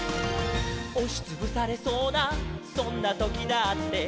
「おしつぶされそうなそんなときだって」